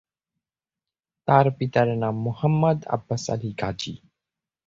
তার পিতার নাম মোহাম্মদ আব্বাস আলী গাজী।